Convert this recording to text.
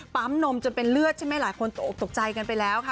นมจนเป็นเลือดใช่ไหมหลายคนตกออกตกใจกันไปแล้วค่ะ